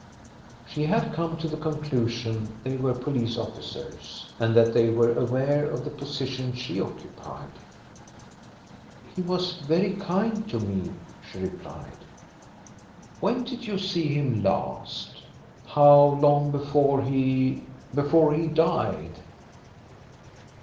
She had come to the conclusion they were police officers and that they were aware of the position she occupied. "He was very kind to me," she replied. "When did you see him last? How long before he before he died?"